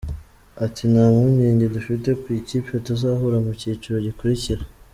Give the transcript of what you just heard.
Ati “Nta mpungenge dufite ku ikipe tuzahura mu cyiciro gikurikira.